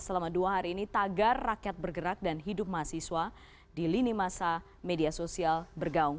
selama dua hari ini tagar rakyat bergerak dan hidup mahasiswa di lini masa media sosial bergaung